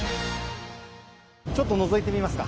ちょっとのぞいてみますか？